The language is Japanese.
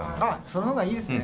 そのほうがいいですね。